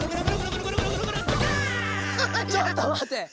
ちょっとまて！